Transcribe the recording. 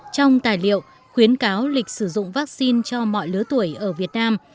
trong tài liệu khuyến cáo lịch sử dụng vaccine cho mọi lứa tuổi ở việt nam